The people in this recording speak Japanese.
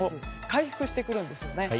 回復してくるんですよね。